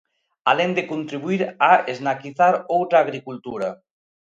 Alén de contribuír a esnaquizar outra agricultura.